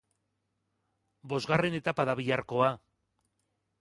Bosgarren etapa da biharkoa.